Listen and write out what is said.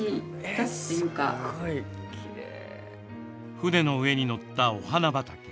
船の上にのった、お花畑。